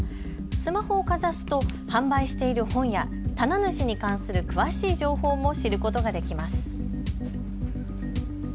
スマホをかざすと販売している本や棚主に関する詳しい情報も知ることができます。